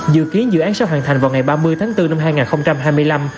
dự kiến dự án sẽ hoàn thành vào ngày ba mươi tháng bốn năm hai nghìn hai mươi năm